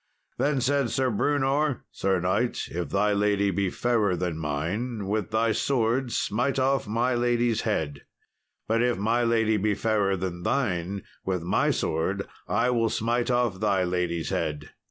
Then said Sir Brewnor, "Sir knight, if thy lady be fairer than mine, with thy sword smite off my lady's head; but if my lady be fairer than thine, with my sword I will smite off thy lady's head.